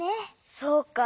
そうか。